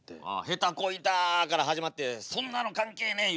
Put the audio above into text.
下手こいたから始まってそんなの関係ねえ！